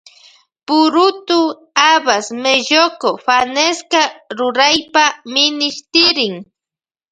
Purutu habas melloco fanesca ruraypa minishtirin.